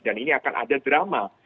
dan ini akan ada drama